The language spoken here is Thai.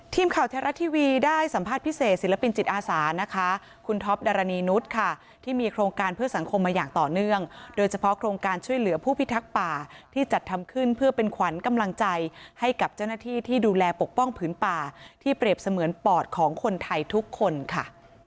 ทีมข่าวไทยรัฐทีวีได้สัมภาษณ์พิเศษศิลปินจิตอาสานะคะคุณท็อปดารณีนุษย์ค่ะที่มีโครงการเพื่อสังคมมาอย่างต่อเนื่องโดยเฉพาะโครงการช่วยเหลือผู้พิทักษ์ป่าที่จัดทำขึ้นเพื่อเป็นขวัญกำลังใจให้กับเจ้าหน้าที่ที่ดูแลปกป้องผืนป่าที่เปรียบเสมือนปอดของคนไทยทุกคนค่ะ